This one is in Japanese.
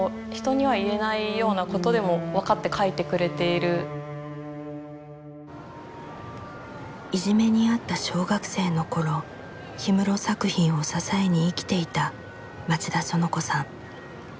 だからこういじめにあった小学生の頃氷室作品を支えに生きていた町田そのこさん。